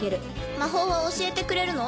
魔法は教えてくれるの？